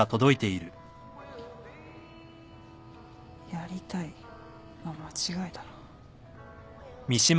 やりたいの間違いだろ。